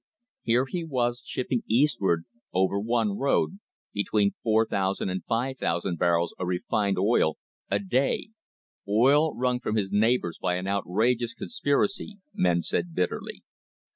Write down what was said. Here he was shipping Eastward over one road between 4,000 and 5,000 barrels of refined oil a day — oil wrung from his neighbours by an outrageous con spiracy, men said bitterly.